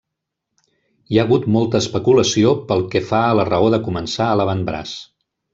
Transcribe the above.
Hi ha hagut molta especulació pel que fa a la raó de començar a l'avantbraç.